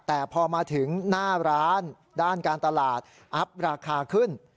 แต่พอมาถึงหน้าร้านด้านการตลาดอัพราคาขึ้น